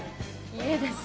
家です。